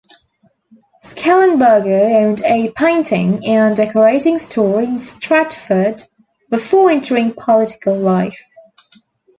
Schellenberger owned a painting and decorating store in Stratford before entering political life.